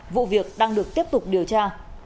vụ việc đang được tiếp tục điều tra